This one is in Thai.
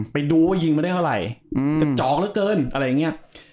ไปดูเอาหิงเข้าไปทำยังไหร่จอกรึเกินอะไรเงี้ย